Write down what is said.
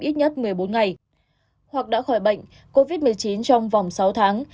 ít nhất một mươi bốn ngày hoặc đã khỏi bệnh covid một mươi chín trong vòng sáu tháng